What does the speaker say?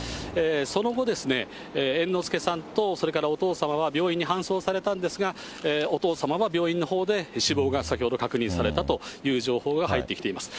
その後、猿之助さんと、それからお父様は病院に搬送されたんですが、お父様は病院のほうで死亡が先ほど確認されたという情報が入ってきています。